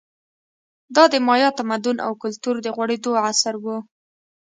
دا د مایا تمدن او کلتور د غوړېدو عصر و